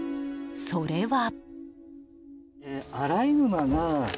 それは。